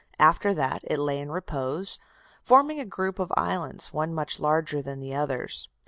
After that it lay in repose, forming a group of islands, one much larger than the others.